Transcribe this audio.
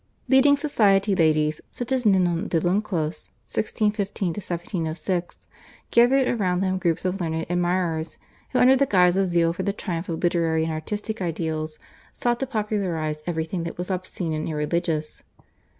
Leading society ladies such as Ninon de Lenclos (1615 1706) gathered around them groups of learned admirers, who under the guise of zeal for the triumph of literary and artistic ideals sought to popularise everything that was obscene and irreligious.